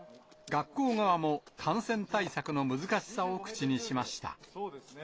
学校側も、感染対策の難しさを口にしました。